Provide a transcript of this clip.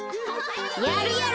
やるやる！